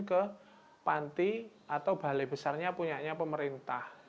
ke panti atau balai besarnya punya pemerintah